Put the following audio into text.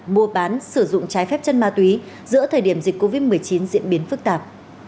mua bán sử dụng trái phép chân ma túy giữa thời điểm dịch covid một mươi chín diễn biến phức tạp